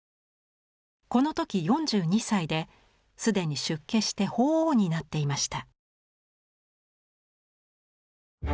この時４２歳で既に出家して法皇になっていました。